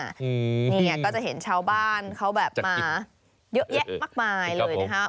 เนี่ยก็จะเห็นชาวบ้านเขาแบบมาเยอะแยะมากมายเลยนะคะ